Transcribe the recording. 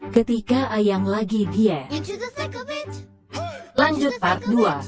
ketika ayam lagi diet lanjut part dua